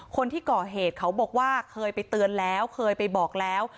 คนที่ก่อเหตุเขาบอกว่าเคยไปเตือนแล้วเคยไปบอกแล้ว